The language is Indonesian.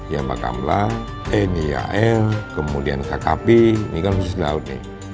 ya pak kamla niar kemudian kkp ini kan khusus di laut